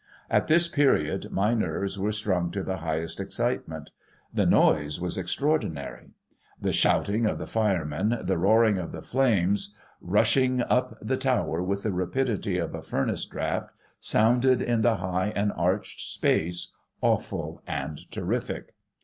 At this period, my nerves were strung to the highest excitement. The noise was extraordinary. The shouting of the firemen, the roaring of the flames rushing up the tower with the rapidity of a furnace draught, sounded in the high and ardied space, awful and terrific.